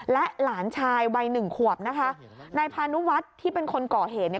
และหลานชายวัยหนึ่งขวบนะคะนายพานุวัฒน์ที่เป็นคนก่อเหตุเนี่ย